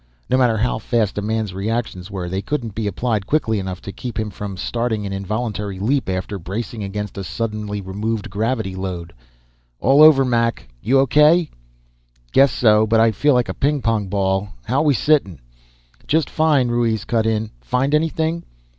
No matter how fast a man's reactions were, they couldn't be applied quickly enough to keep him from starting an involuntary leap after bracing against a suddenly removed gravity load. "All over, Mac. You O.K.?" "Guess so, but I feel like a ping pong ball. How're we sittin'?" "Just fine," Ruiz cut in. "Find anything?"